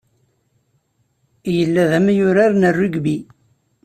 Yella d amyurar n rugby.